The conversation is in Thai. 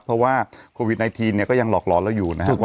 เพราะว่าโควิดไนทีนเนี้ยก็ยังหลอกหลอนแล้วอยู่นะครับถูกต้อง